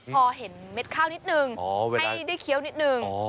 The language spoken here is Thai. พอเห็นเม็ดข้าวนิดหนึ่งอ๋อเวลาให้ได้เคี้ยวนิดหนึ่งอ๋อ